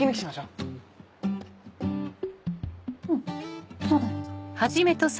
うんそうだね。